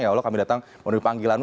ya allah kami datang memenuhi panggilanmu